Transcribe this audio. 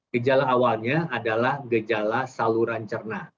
gejala awalnya adalah gejala saluran cerna